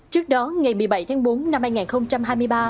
trước đó ngày một mươi bảy tháng bốn năm hai nghìn hai mươi ba